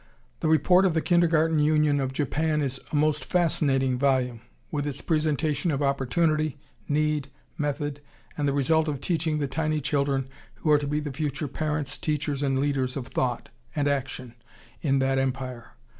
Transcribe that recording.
The report of the Kindergarten Union of Japan is a most fascinating volume, with its presentation of opportunity, need, method, and the result of teaching the tiny children who are to be the future parents, teachers, and leaders of thought and action in that Empire.